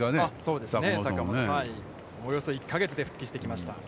およそ１か月で復帰してきました。